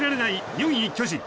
４位巨人。